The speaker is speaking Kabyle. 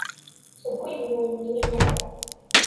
Tewwi-d yiwen n yinaw.